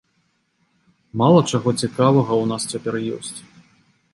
Мала чаго цікавага ў нас цяпер ёсць.